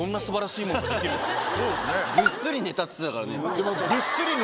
ぐっすり寝たっつってたからね。